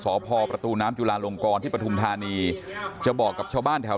สพประตูน้ำจุลาลงกรที่ปฐุมธานีจะบอกกับชาวบ้านแถว